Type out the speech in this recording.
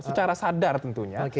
secara sadar tentunya